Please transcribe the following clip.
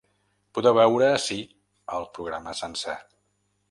Podeu veure ací el programa sencer.